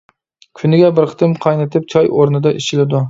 كۈنىگە بىر قېتىم، قاينىتىپ چاي ئورنىدا ئىچىلىدۇ.